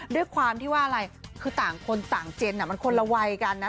ด้วยความที่ว่าอะไรคือต่างคนต่างเจนมันคนละวัยกันนะ